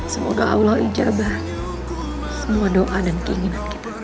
semoga allah ijabah semua doa dan keinginan kita